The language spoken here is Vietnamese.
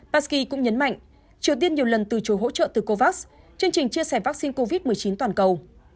paki cũng nhấn mạnh triều tiên nhiều lần từ chối hỗ trợ từ covax chương trình chia sẻ vaccine covid một mươi chín toàn cầu